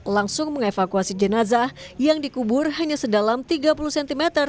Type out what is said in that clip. langsung mengevakuasi jenazah yang dikubur hanya sedalam tiga puluh cm